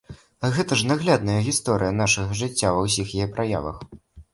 А гэта ж наглядная гісторыя нашага жыцця ва ўсіх яе праявах!